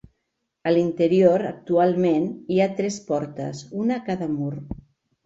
A l'interior actualment hi ha tres portes, una a cada mur.